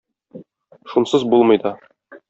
Шунсыз булмый да.